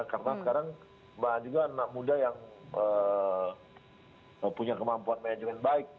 karena sekarang juga anak muda yang punya kemampuan manajemen baik